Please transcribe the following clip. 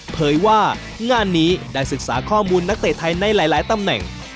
เผยว่างานนี้ได้ศึกษาข้อมูลนักเตะไทยในหลายตำแหน่ง